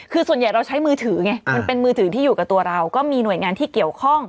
คือส่วนใหญ่เราใช้มือถือไงมันเป็นมือถือที่อยู่กับตัวเราก็มีหน่วยงานที่เกี่ยวข้อง